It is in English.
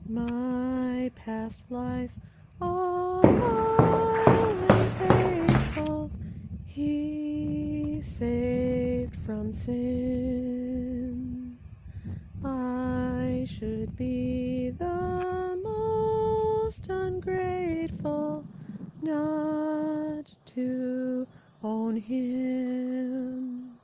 My past life, all vile and hateful, He saved from sin ; I should be the most ungrateful Not to own him.''